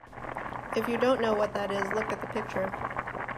If you don’t know what that is, look at the picture.